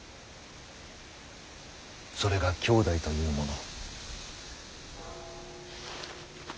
それが兄弟というもの。